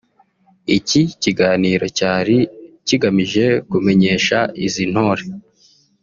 Iki kiganiro cyari kigamije kumenyesha izi ntore